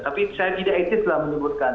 tapi saya tidak itu telah menemukan